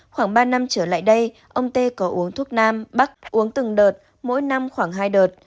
khoảng ba năm trở lại đây ông tê có uống thuốc nam bắc uống từng đợt mỗi năm khoảng hai đợt